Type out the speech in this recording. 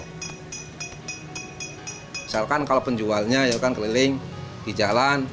misalkan kalau penjualnya ya kan keliling di jalan